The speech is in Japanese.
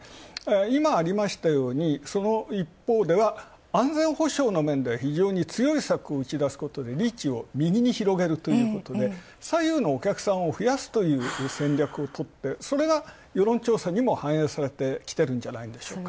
今、ありましたようにその一方では、安全保障の面で非常に強い策を打ち出すことで、リーチを右に広げるということで左右にお客さんを増やすという戦略をとって、それが世論調査にも反映されてきているんじゃないでしょうか。